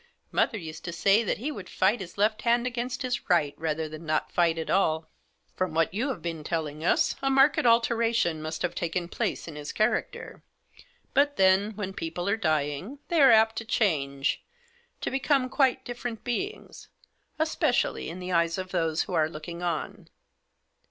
Mother used to say that he would fight his left hand against his right rather than not fight at all." "From what you have been telling us a marked alteration must have taken place in his character. But then, when people are dying, they are apt to change ; to become quite different beings — especially in the eyes of those who are looking on."